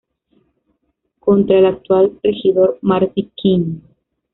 Contra el actual regidor Marty Quinn.